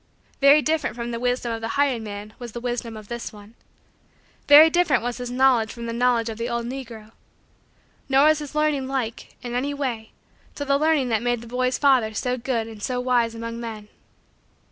Very different from the wisdom of the hired man was the wisdom of this one. Very different was his knowledge from the knowledge of the old negro. Nor was his learning like, in any way, to the learning that made the boy's father so good and so wise among men.